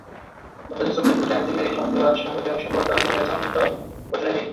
অথচ supreme court আইনজীবী সমিতির প্রধানসহ অধিকাংশ পদে তাঁরাই নির্বাচিত প্রতিনিধি।